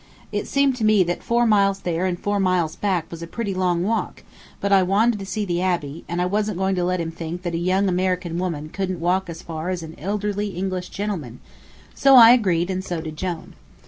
It seemed to me that four miles there and four miles back was a pretty long walk, but I wanted to see the abbey, and I wasn't going to let him think that a young American woman couldn't walk as far as an elderly English gentleman; so I agreed and so did Jone.